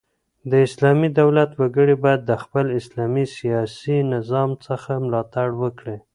د اسلامي دولت وګړي بايد د خپل اسلامي سیاسي نظام څخه ملاتړ وکړي.